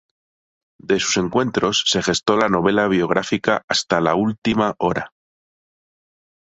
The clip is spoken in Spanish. De sus encuentros, se gestó la novela biográfica "Hasta la última hora.